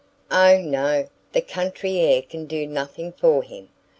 "O no, the country air can do nothing for him!